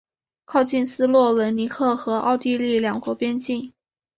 靠近斯洛文尼亚和奥地利两国边境。